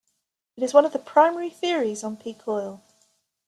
It is one of the primary theories on peak oil.